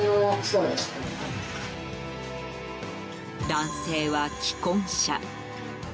男性は既婚者。